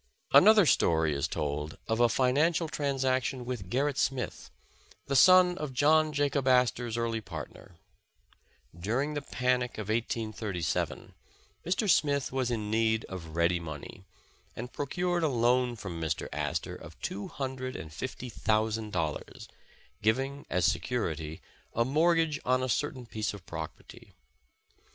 Another story is told of a financial transaction with Gerrit Smith, the son of John Jacob Astor 's early part ner. During the panic of 1837, Mr. Smith was in need of ready money, and procured a loan from Mr. Astor of two hundred and fifty thousand dollars, giving as se 274 Friends and Companions curity a mortgage od a certain piece of property.